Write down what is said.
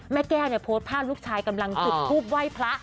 แม่แก้วโพสภาพลูกชายกำลังถูกทูบไหว้พระ